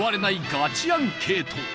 ガチアンケート